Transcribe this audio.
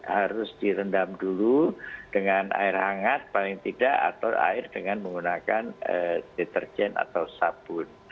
harus direndam dulu dengan air hangat paling tidak atau air dengan menggunakan deterjen atau sabun